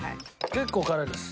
結構辛いです。